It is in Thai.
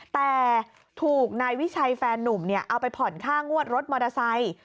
แต่ถูกนายวิชัยแฟนนุ่มเอาไปผ่อนค่างวดรถมอเตอร์ไซค์